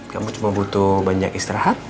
kamu cuma butuh banyak istirahat